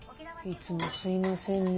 いつもすいませんね